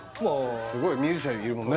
すごいミュージシャンいるもんね